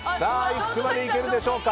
いくつまでいけるでしょうか。